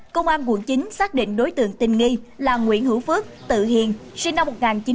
công an quận chín xác định đối tượng tình nghi là nguyễn hữu phước tự hiền sinh năm một nghìn chín trăm tám mươi